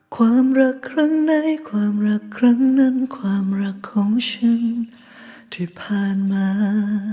ความรักครั้งในความรักครั้งนั้นความรักของฉันที่ผ่านมา